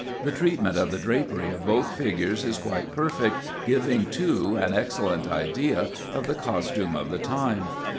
The treatment of the drapery of both figures is quite perfect, giving, too, an excellent idea of the costume of the time.